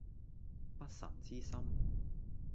不臣之心